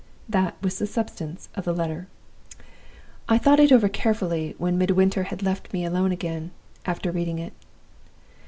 "That was the substance of the letter. "I thought over it carefully when Midwinter had left me alone again, after reading it.